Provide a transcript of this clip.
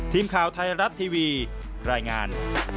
ทีมข่าวไทยรัฐทีวีรายงาน